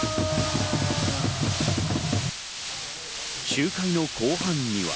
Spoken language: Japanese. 集会の後半には。